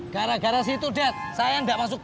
gara gara situ dad saya nggak masuk tv